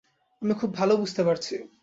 আমি খুব ভালো বুঝতে পারছি।